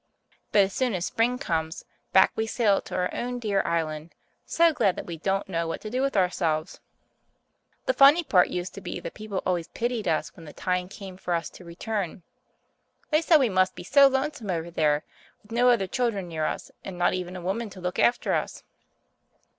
But as soon as spring comes, back we sail to our own dear island, so glad that we don't know what to do with ourselves. The funny part used to be that people always pitied us when the time came for us to return. They said we must be so lonesome over there, with no other children near us, and not even a woman to look after us.